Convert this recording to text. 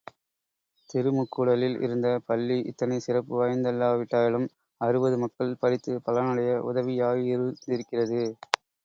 திருமுக்கூடலில் இருந்த பள்ளி இத்தனை சிறப்பு வாய்ந்தல்லாவிட்டாலும் அறுபது மக்கள் படித்துப் பலனடைய உதவியாயிருந்திருக்கிறது.